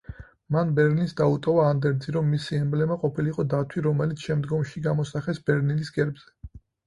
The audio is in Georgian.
მან ბერლინს დაუტოვა ანდერძი, რომ მისი ემბლემა ყოფილიყო დათვი, რომელიც შემდგომში გამოსახეს ბერლინის გერბზე.